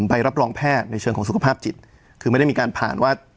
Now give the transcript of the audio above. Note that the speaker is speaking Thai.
ใบรับรองแพทย์ในเชิงของสุขภาพจิตคือไม่ได้มีการผ่านว่า